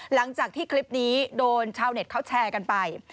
หลังจากที่คลิปนี้โดนชาวเน็ตเขาแชร์กันไป